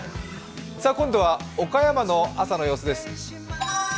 今度は岡山の朝の様子です。